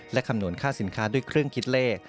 และคำนวณค่าสินค้าด้วยเครื่องคิดเลข